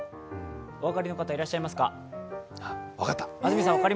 お分かりの方、いらっしゃいますか？